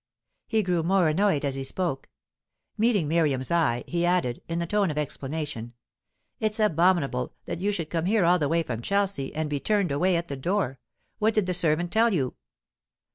He grew more annoyed as he spoke. Meeting Miriam's eye, he added, in the tone of explanation: "It's abominable that you should come here all the way from Chelsea, and be turned away at the door! What did the servant tell you?"